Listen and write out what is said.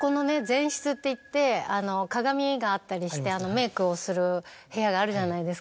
前室っていってあの鏡があったりしてメークをする部屋があるじゃないですか。